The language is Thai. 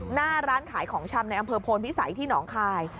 หน้าร้านขายของชำในอำเภอโพนพิสัยที่หนองคาย